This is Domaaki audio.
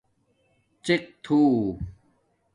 ڎِق تھو